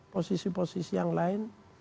posisi posisi yang lain